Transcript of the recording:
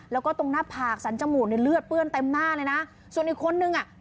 แล้วก็ตรงหน้าผากสันจมูกในเลือดเปื้อนเต็มหน้าเลยนะส่วนอีกคนนึงอ่ะ